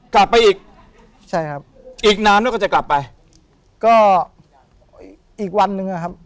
กลับไปอีกใช่ครับอีกนานด้วยก็จะกลับไปก็อีกวันหนึ่งอ่ะครับ